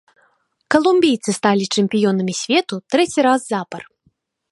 Калумбійцы сталі чэмпіёнамі свету трэці раз запар.